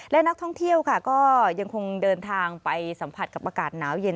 และนักท่องเที่ยวค่ะก็ยังคงเดินทางไปสัมผัสกับอากาศหนาวเย็น